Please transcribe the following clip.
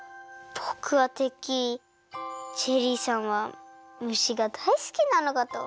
ぼくはてっきりジェリーさんはむしがだいすきなのかと。